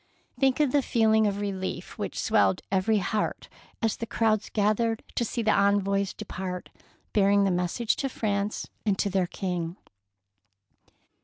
Think of the feeling of relief which swelled every heart as the crowds gathered to see the envoys depart bearing the message to Prance and to their King!